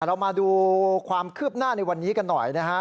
เรามาดูความคืบหน้าในวันนี้กันหน่อยนะฮะ